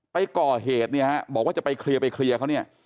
ไปก่อเหตุเนี่ยฮะบอกว่าจะไปเคลียร์ไปเคลียร์เขาเนี่ย